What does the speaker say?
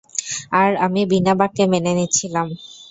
আর আমি বিনা বাক্যে মেনে নিচ্ছিলাম।